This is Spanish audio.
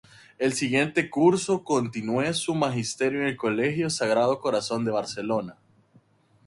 El siguiente curso continuó su Magisterio en el Colegio Sagrado Corazón de Barcelona.